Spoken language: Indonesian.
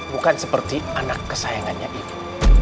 bukan seperti anak kesayangannya itu